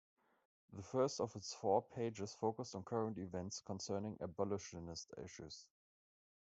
The first of its four pages focused on current events concerning abolitionist issues.